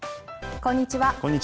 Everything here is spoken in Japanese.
こんにちは。